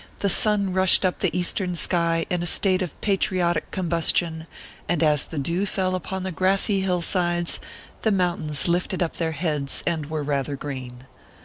The sun rushed up the eastern sky in a state of patriotic combustion, and as the dew fell upon the grassy hill sides, the moun tains lifted up their heads and were rather green.